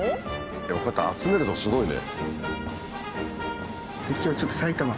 でもこうやって集めるとすごいね。